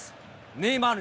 ネイマール。